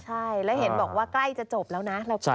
ใช่แล้วเห็นบอกว่าใกล้จะจบแล้วนะ